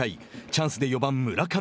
チャンスで、４番村上。